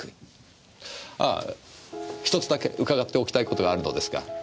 ああ１つだけ伺っておきたいことがあるのですが。